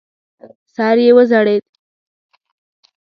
سر یې وځړېد.